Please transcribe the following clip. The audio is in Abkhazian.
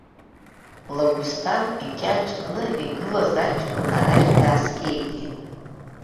Лагәсҭан икьаҿ кны игылаз аҷкәын арахь дааскьеит.